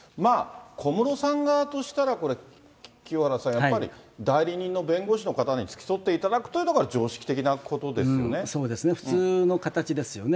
小室さん側としたら、これ、清原さん、やっぱり代理人の弁護士の方に付き添っていただくというのが、常そうですね、普通の形ですよね。